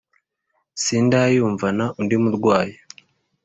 sindayumvana undi murwayi.